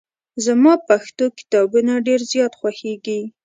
زما پښتو کتابونه ډېر زیات خوښېږي.